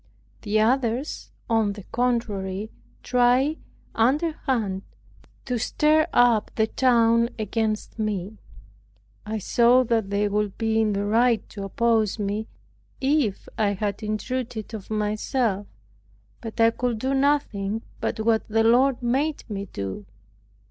The others, on the contrary, tried underhand to stir up the town against me. I saw that they would be in the right to oppose me, if I had intruded of myself; but I could do nothing but what the Lord made me do.